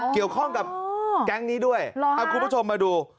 เกี่ยวข้องกับแก๊งนี้ด้วยเอาคุณผู้ชมมาดู